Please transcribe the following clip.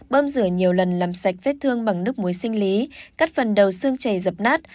bơm rửa nhiều lần làm sạch vết thương bằng nước muối sinh lý cắt phần đầu xương chảy dập nát